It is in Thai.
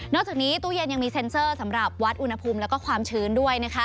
จากนี้ตู้เย็นยังมีเซ็นเซอร์สำหรับวัดอุณหภูมิแล้วก็ความชื้นด้วยนะคะ